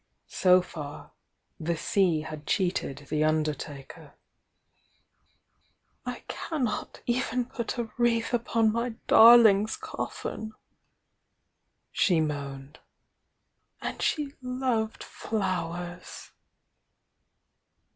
So far, the sea had cheated the undertaker. "I cannot even put a wreath upon my darling's coflSn!" she moaned. "And die loved flowers!"